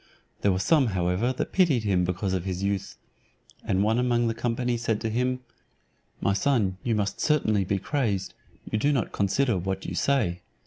There were some, however, that pitied him because of his youth; and one among the company said to him, "My son, you must certainly be crazed, you do not consider what you say.